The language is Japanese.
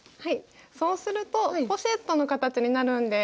そうするとポシェットの形になるんです。